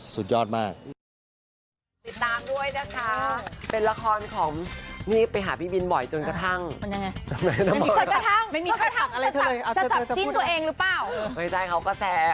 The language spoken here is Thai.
สุดยอดมาก